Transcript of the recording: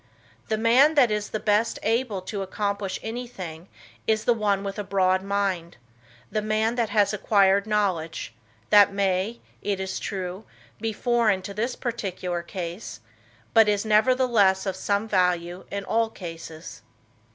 The man that is the best able to accomplish anything is the one with a broad mind; the man that has acquired knowledge, that may, it is true, be foreign to this particular case, but is, nevertheless, of some value in all cases.